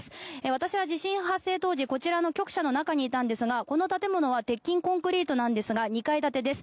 私は地震発生当時こちらの局舎の中にいたんですがこの建物は鉄筋コンクリートなんですが２階建てです。